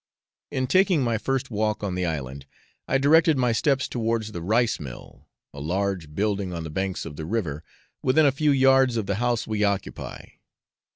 In taking my first walk on the island, I directed my steps towards the rice mill, a large building on the banks of the river, within a few yards of the house we occupy.